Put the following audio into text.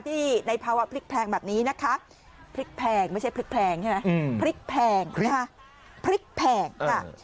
ในภาวะพริกแพงแบบนี้นะคะพริกแพงไม่ใช่พริกแพงใช่ไหมพริกแพงนะคะพริกแพงค่ะ